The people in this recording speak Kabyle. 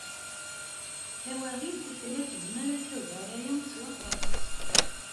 Tawaɣit tella tezmer ad tagar aya s waṭas.